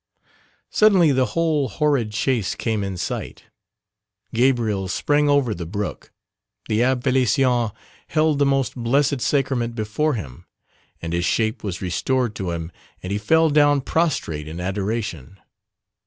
Suddenly the whole horrid chase came in sight. Gabriel sprang over the brook, the Abbé Félicien held the most Blessed Sacrament before him, and his shape was restored to him and he fell down prostrate in adoration.